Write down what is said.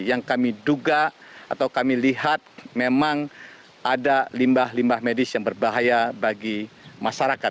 yang kami duga atau kami lihat memang ada limbah limbah medis yang berbahaya bagi masyarakat